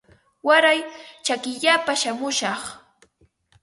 Waray chakillapa shamushaq